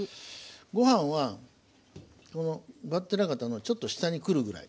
ご飯はこの上っ面方のちょっと下に来るぐらい。